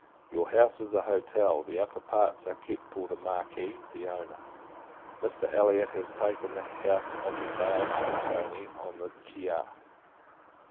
Your house is a hotel; the upper parts are kept for the Marquis, the owner. Mr. Elliot has taken the house of the Baille Franconi, on the Chaia.